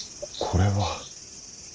これは。